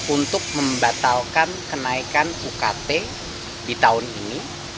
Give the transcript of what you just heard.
untuk membatalkan kenaikan ukt di tahun ini